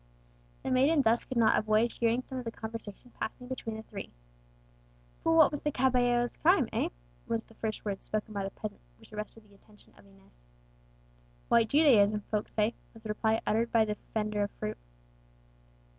The maiden thus could not avoid hearing some of the conversation passing between the three. "But what was the caballero's crime, eh?" were the first words, spoken by the peasant, which arrested the attention of Inez. "White Judaism, folk say," was the reply uttered by the vendor of fruit.